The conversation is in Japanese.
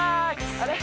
あれ？